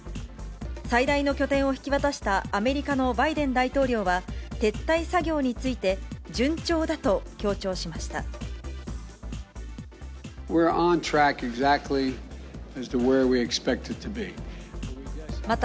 最大の拠点を引き渡したアメリカのバイデン大統領は、撤退作業について、順調だと強調しました。